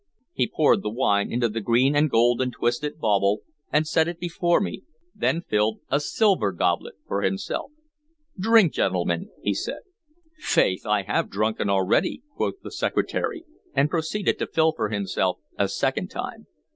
He poured the wine into the green and gold and twisted bauble and set it before me, then filled a silver goblet for himself. "Drink, gentlemen," he said. "Faith, I have drunken already," quoth the Secretary, and proceeded to fill for himself a second time.